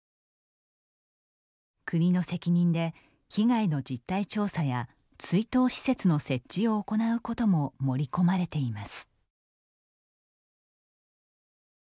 国の責任で被害の実態調査や追悼施設の設置を行うことも盛り込まれています。